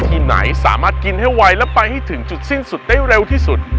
ทีมไหนสามารถกินให้ไวและไปให้ถึงจุดสิ้นสุดได้เร็วที่สุด